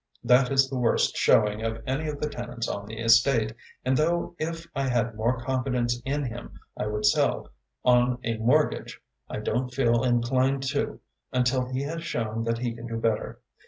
That is the worst showing of any of the tenants on the estate, and though if I had more confidence in him I would sell on a mortgage, I don't feel inclined to until he has shown that he can do better.